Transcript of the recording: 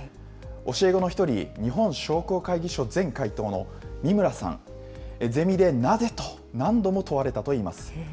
教え子の１人、日本商工会議所前会頭の三村さん、ゼミでなぜ？と何度も問われたそうです。